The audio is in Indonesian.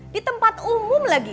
di tempat umum lagi